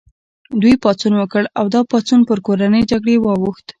دوی پاڅون وکړ او دا پاڅون پر کورنۍ جګړې واوښت.